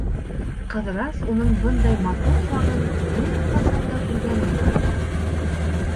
Ҡыҙырас уның бындай матур сағын бер ҡасан да күргәне юҡ ине әле.